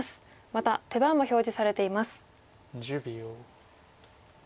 また手番も表示されています。